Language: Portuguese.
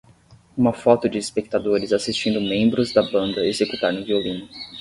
Uma foto de espectadores assistindo membros da banda executar no violino.